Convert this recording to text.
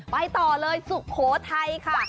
ไปต่อเลยสุโขทัยค่ะ